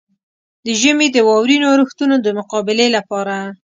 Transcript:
د ژمي د واورينو اورښتونو د مقابلې لپاره.